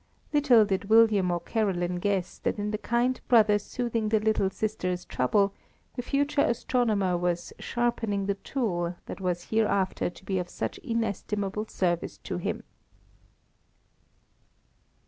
Little did William or Caroline guess that in the kind brother soothing the little sister's trouble, the future astronomer was "sharpening the tool" that was hereafter to be of such inestimable service to him.